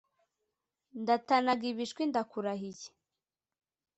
ndatanaga ibishwi ndakurahiye